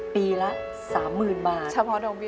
ปีละ๓หมื่นบาท